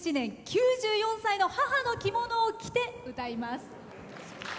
９４歳の母の着物を着て歌います。